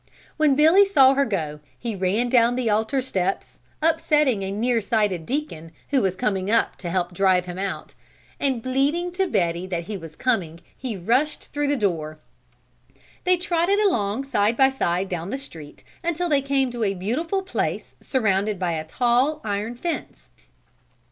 When Billy saw her go he ran down the altar steps, upsetting a near sighted deacon who was coming up to help drive him out, and bleating to Betty that he was coming he rushed through the door. They trotted along side by side down the street until they came to a beautiful place surrounded by a tall, iron fence.